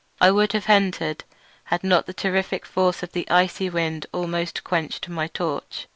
I would have entered had not the terrific force of the icy wind almost quenched my torch.